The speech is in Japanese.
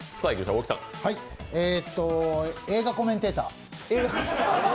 映画コメンテーター。